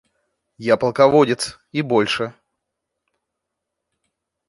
Я полководец и больше.